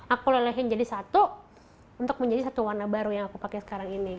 aku lelehin jadi satu untuk menjadi satu warna baru yang aku pakai sekarang ini